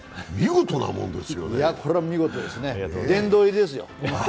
見事ですね、殿堂入りですよ。